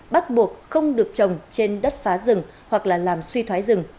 bắt buộc không được trồng trên đất phá rừng hoặc là làm suy thoái rừng